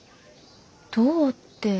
どうって。